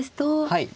はい。